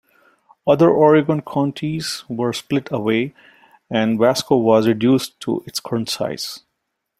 Other Oregon counties were split away, and Wasco was reduced to its current size.